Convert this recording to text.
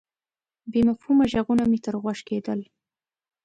بې مفهومه ږغونه مې تر غوږ کېدل.